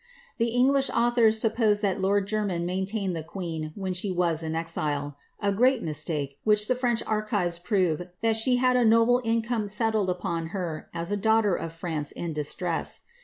The English iQthors suppose that lord Jermyn maintained the queen when she was io exile — a great mistake, since the French archives prove that she had a noble income settled upon her, as a daughter of France in distress.